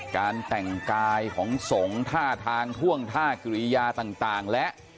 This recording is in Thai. การแต่งกายของสงฆ์ท่าทางท่วงท่ากิริยาต่างและ